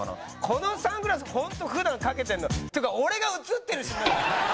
このサングラスホント普段かけてんの？っていうか俺が映ってるしもう。